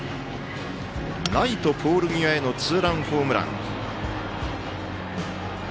ライトポール際へのツーランホームラン。